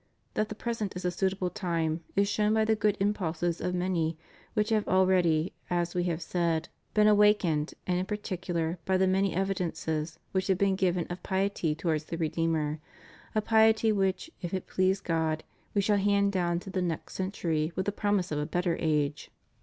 That the present is a suitable time, is shown by the good impulses of many which have already, as We have said, been awakened, and in particular by the many evidences which have been given of piety towards the Redeemer, a piety which, if it please God, we shall hand down to the next century with the promise of a better age.